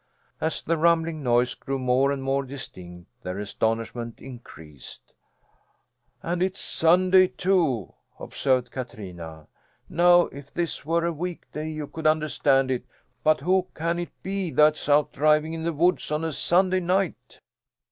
As the rumbling noise grew more and more distinct, their astonishment increased. "And it's Sunday, too!" observed Katrina. "Now if this were a weekday you could understand it; but who can it be that's out driving in the woods on a Sunday night?"